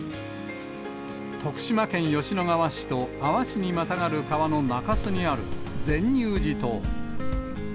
徳島県吉野川市と阿波市にまたがる川の中州にある善入寺島。